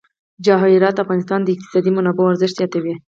جواهرات د افغانستان د اقتصادي منابعو ارزښت زیاتوي.